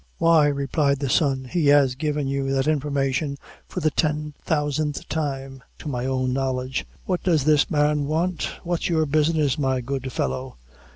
"Why," replied the son, "he has given you that information for the ten thousandth time, to my own knowledge. What does this man want? What's your business, my good fellow?"